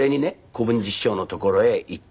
小文治師匠の所へ行って。